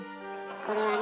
これはね